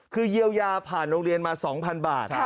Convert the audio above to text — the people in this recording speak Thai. คือเยียวยาผ่านโรงเรียนมา๒๐๐บาท